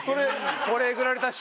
これえぐられたでしょ？